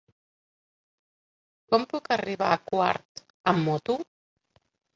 Com puc arribar a Quart amb moto?